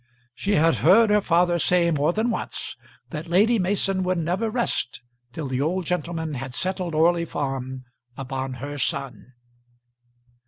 She had heard her father say more than once that Lady Mason would never rest till the old gentleman had settled Orley Farm upon her son.